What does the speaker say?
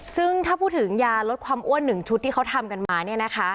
ซึ่งถ้าพูดถึงยารดความอ้วนหนึ่งชุดที่เขาทำกันมาเนี่ยนะคะ